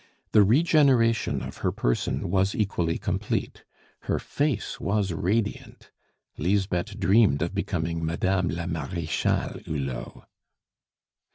The regeneration of her person was equally complete; her face was radiant. Lisbeth dreamed of becoming Madame la Marechale Hulot.